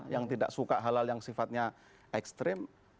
yang tidak suka halal yang sifatnya ekstrim